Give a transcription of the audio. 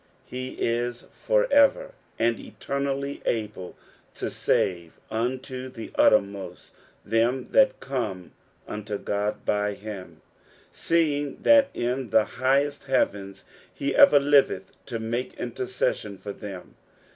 He is for ever and eternally able to save unto the uttermost them that come unto Qod by him, seeing that in the highest heavens he everliveth to make interces sion for them.